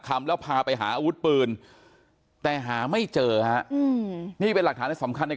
คำแล้วพาไปหาอาวุธปืนแต่หาไม่เจอฮะนี่เป็นหลักฐานสำคัญใน